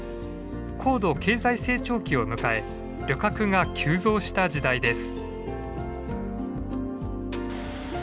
高度経済成長期を迎え旅客が急増した時代です。